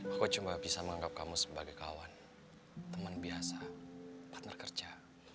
aku cuma bisa menganggap kamu sebagai kawan teman biasa partner kerja